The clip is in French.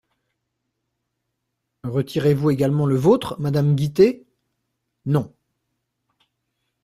Retirez-vous également le vôtre, madame Guittet ? Non.